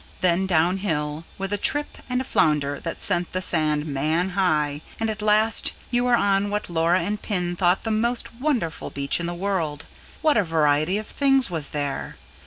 Then, downhill with a trip and a flounder that sent the sand man high and at last you were on what Laura and Pin thought the most wonderful beach in the world. What a variety of things was there!